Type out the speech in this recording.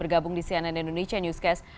bergabung di cnn indonesia newscast